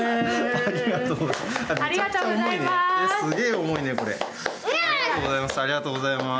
ありがとうございます。